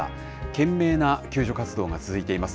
懸命な救助活動が続いています。